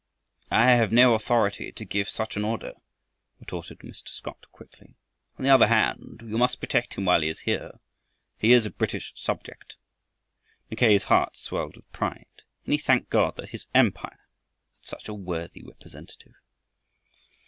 "I have no authority to give such an order," retorted Mr. Scott quickly. "On the other hand you must protect him while he is here. He is a British subject." Mackay's heart swelled with pride. And he thanked God that his Empire had such a worthy representative.